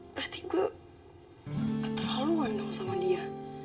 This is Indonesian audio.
berarti gue terlaluan dong sama dia